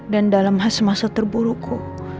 dan dalam semasa terburukku